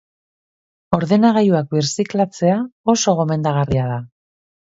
Ordenagailuak birziklatzea oso gomendagarria da.